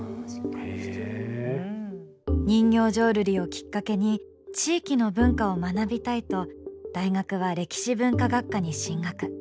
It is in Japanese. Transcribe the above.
人形浄瑠璃をきっかけに地域の文化を学びたいと大学は歴史文化学科に進学。